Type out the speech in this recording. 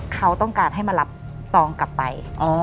เขาต้องการให้มารับตองกลับไป